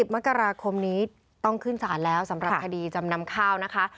มกราคมนี้ต้องขึ้นศาลแล้วสำหรับคดีจำนำข้าวนะคะ